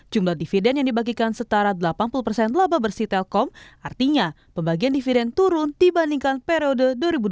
jumlah dividen yang dibagikan setara delapan puluh persen laba bersih telkom artinya pembagian dividen turun dibandingkan periode dua ribu dua puluh